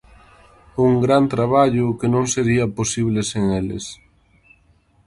Un gran traballo que non sería posible sen eles.